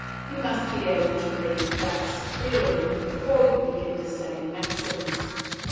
You must be able to read facts clearly before you begin to study maxims.